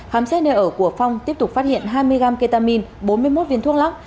khám xét nơi ở của phong tiếp tục phát hiện hai mươi gram ketamin bốn mươi một viên thuốc lắc